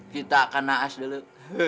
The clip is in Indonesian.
kita akan naas dulu